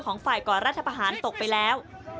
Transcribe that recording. ของฝ่ายก่อรัฐประหารตกไปแล้ว